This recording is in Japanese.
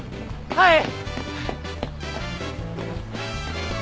はい！